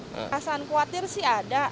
perasaan khawatir sih ada